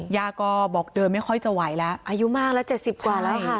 ยาก็บอกเดินไม่ค่อยจะไหวแล้วอายุมากแล้ว๗๐กว่าแล้วค่ะ